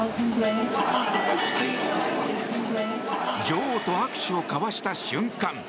女王と握手を交わした瞬間